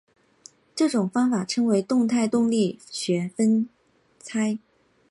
这种方法称为动态动力学拆分。